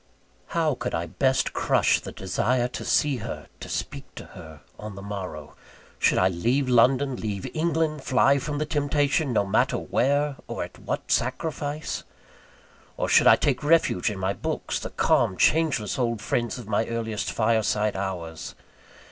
How could I best crush the desire to see her, to speak to her, on the morrow? Should I leave London, leave England, fly from the temptation, no matter where, or at what sacrifice? Or should I take refuge in my books the calm, changeless old friends of my earliest fireside hours?